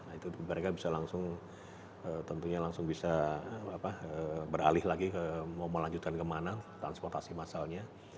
nah itu mereka bisa langsung tentunya langsung bisa beralih lagi ke mau melanjutkan kemana transportasi massalnya